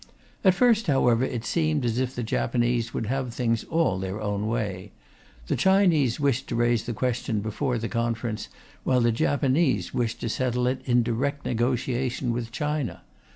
At first, however, it seemed as if the Japanese would have things all their own way. The Chinese wished to raise the question before the Conference, while the Japanese wished to settle it in direct negotiation with China.